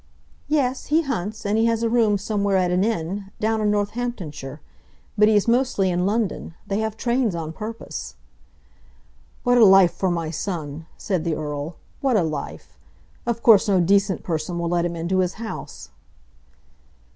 "Yes, he hunts, and he has a room somewhere at an inn, down in Northamptonshire. But he is mostly in London. They have trains on purpose." "What a life for my son!" said the Earl. "What a life! Of course no decent person will let him into his house."